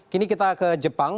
kini kita ke jepang